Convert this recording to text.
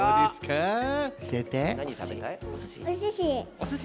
おすし。